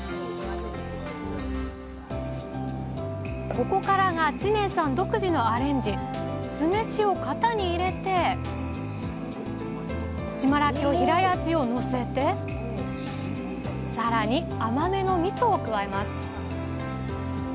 ここからが知念さん独自のアレンジ。酢飯を型に入れて島らっきょうヒラヤーチーをのせてさらに甘めのみそを加えます